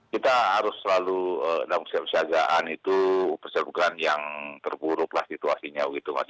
kita harus selalu dalam persiap persiapkan itu persiapkan yang terburuklah situasinya